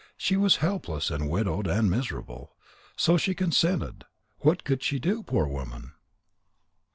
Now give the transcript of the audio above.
She was helpless and widowed and miserable. So she consented. What could she do, poor woman?